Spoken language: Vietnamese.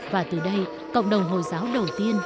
và từ đây cộng đồng hồi giáo đầu tiên